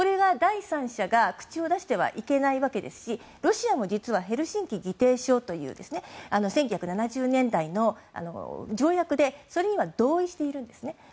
第三者が口を出してはいけないわけですしロシアも実はヘルシンキ議定書という１９７０年代の条約でそれには同意しているんですね。